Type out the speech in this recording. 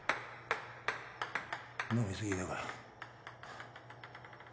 飲み過ぎたか。